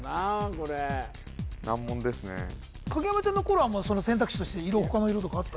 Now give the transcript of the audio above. これ難問ですね影山ちゃんの頃は選択肢として他の色とかあった？